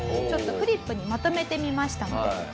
ちょっとフリップにまとめてみましたので。